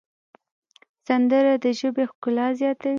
سندره د ژبې ښکلا زیاتوي